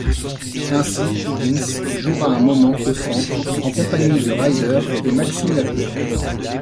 Ainsi, Higgins jouera un moment au centre en compagnie de Ryder et Maxim Lapierre.